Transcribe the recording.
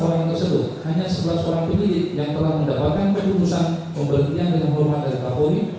dua puluh delapan orang tersebut hanya sebelas orang pendidik yang telah mendapatkan keputusan pemberhentian dengan hormat dari kpui